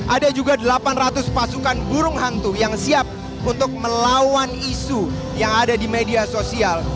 ada juga delapan ratus pasukan burung hantu yang siap untuk melawan isu yang ada di media sosial